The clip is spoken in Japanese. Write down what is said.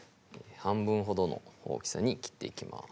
半分ほどの大きさに切っていきます